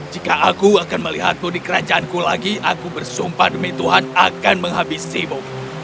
jika aku akan melihatmu di kerajaanku lagi aku bersumpah demi tuhan akan menghabisimu